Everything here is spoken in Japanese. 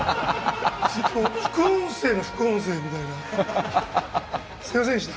副音声の副音声みたいなすみませんでした。